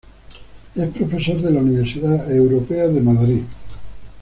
Es profesor de la Universidad Europea de Madrid.